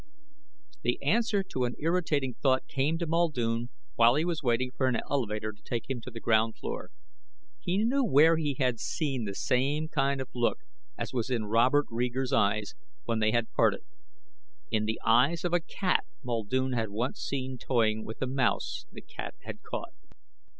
The answer to an irritating thought came to Muldoon while he was waiting for an elevator to take him to the ground floor. He knew where he had seen the same kind of look as was in Robert Reeger's eyes when they had parted. In the eyes of a cat Muldoon had once seen toying with a mouse the cat had caught....